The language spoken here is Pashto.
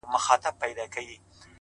د شاعرۍ ياري كړم،